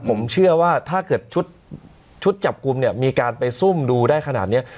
ผมเชื่อว่าถ้าเกิดชุดจับกลุ่มเนี่ยมีการไปซุ่มดูได้ขนาดนี้